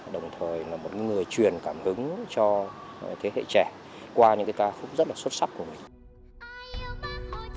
đồng thời là một người truyền cảm hứng cho thế hệ trẻ qua những cái ca khúc rất là xuất sắc của mình